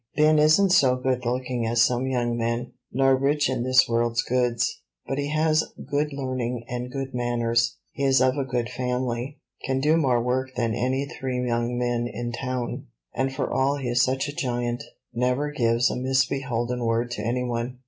Ben isn't so good looking as some young men, nor rich in this world's goods; but he has good learning and good manners: he is of a good family; can do more work than any three young men in town; and for all he is such a giant, never gives a misbeholden word to any one.